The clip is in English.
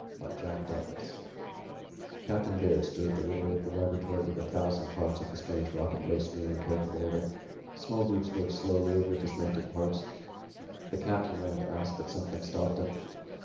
By JACK DOUGLAS [Illustration: Cover] Captain Baird stood at the window of the laboratory where the thousand parts of the strange rocket lay strewn in careful order. Small groups worked slowly over the dismantled parts. The captain wanted to ask but something stopped him.